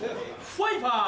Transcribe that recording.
ファイパー！